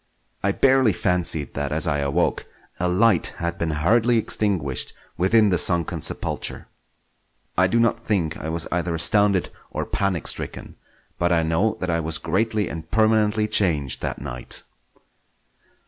I barely fancied that as I awoke, a light had been hurriedly extinguished within the sunken sepulchre. I do not think I was either astounded or panic stricken, but I know that I was greatly and permanently changed that night.